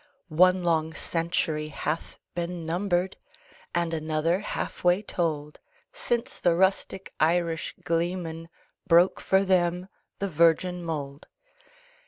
One long century hath been numbered, And another half way told Since the rustic Irish gleeman Broke for them the virgin mould.